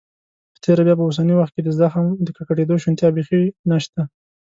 په تیره بیا په اوسني وخت کې د زخم د ککړېدو شونتیا بيخي نشته.